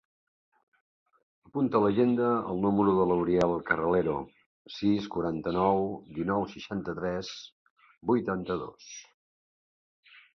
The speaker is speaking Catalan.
Apunta a l'agenda el número de l'Uriel Carralero: sis, quaranta-nou, dinou, seixanta-tres, vuitanta-dos.